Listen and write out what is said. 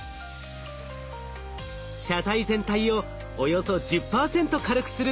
車体全体をおよそ１０％軽くすることに成功。